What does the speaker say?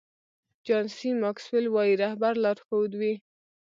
جان سي ماکسویل وایي رهبر لارښود وي.